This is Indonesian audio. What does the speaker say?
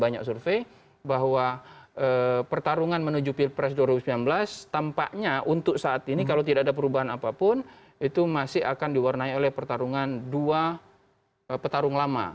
yang kedua selalu ada partai baru